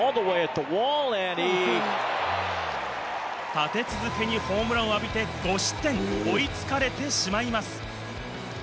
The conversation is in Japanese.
立て続けにホームランを浴びて５失点、追いつかれてしまいます。